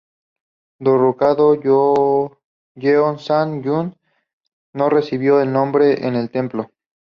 Derrocado, Yeonsan-gun no recibió un nombre en el templo.